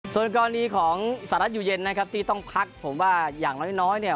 ส่วนกรณีของสหรัฐอยู่เย็นนะครับที่ต้องพักผมว่าอย่างน้อยเนี่ย